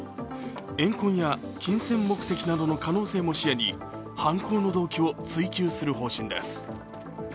怨恨や金銭目的などの可能性も視野に犯行の動機を追及する方針です。